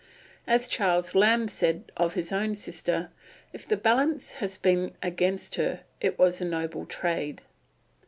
As Charles Lamb said of his own sister, "If the balance has been against her, it was a noble trade."